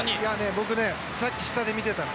僕ね、さっき下で見てたの。